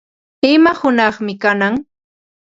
¿Ima hunaqmi kanan?